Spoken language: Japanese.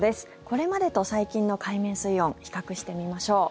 これまでと最近の海面水温比較してみましょう。